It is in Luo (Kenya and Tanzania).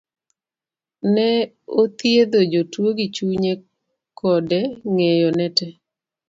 ne othiedho jotuo gi chunye kode ng'eyo ne tee.